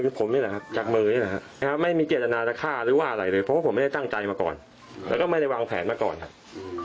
คือผมนี่แหละครับจากมือนี่แหละครับไม่มีเจตนาจะฆ่าหรือว่าอะไรเลยเพราะว่าผมไม่ได้ตั้งใจมาก่อนแล้วก็ไม่ได้วางแผนมาก่อนครับ